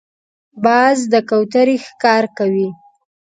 باز د کوترې ښکار کوي